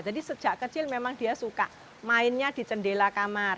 jadi sejak kecil memang dia suka mainnya di cendela kamar